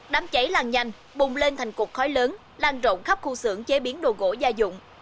đám cháy làng nhanh bùng lên thành cuộc khói lớn làng rộng khắp khu xưởng chế biến đồ gỗ gia dụng